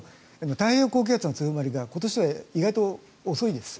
太平洋高気圧の強まりが今年は意外と遅いです。